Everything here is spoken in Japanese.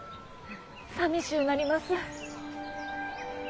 さみしゅうなります。